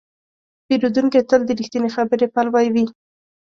پیرودونکی تل د رښتینې خبرې پلوی وي.